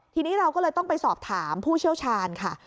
ทีนี้เราก็เลยต้องไปสอบถามผู้เชี่ยวชาญค่ะ